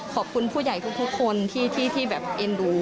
ขอบคุณผู้ใหญ่ทุกคนที่แบบเอ็นดู